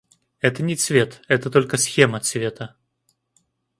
Это не цвет, это только схема цвета.